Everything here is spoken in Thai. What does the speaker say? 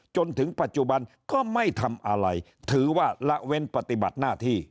จนถึงปัจจุบันก็ไม่ทำอะไรถือว่าละเว้นปฏิบัติหน้าที่